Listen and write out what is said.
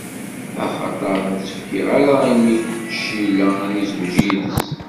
Axaṭer ur tt-fkiɣ ara i mmi Cila, ad izweǧ yid-s.